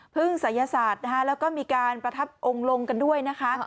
ศัยศาสตร์นะคะแล้วก็มีการประทับองค์ลงกันด้วยนะคะ